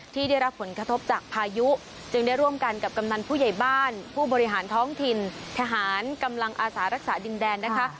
ที่ได้รับผลกระทบจากพายุจึงได้ร่วมกันกับกำนันผู้ใหญ่บ้านผู้บริหารท้องถิ่นทหารกำลังอาสารักษาดินแดนนะคะ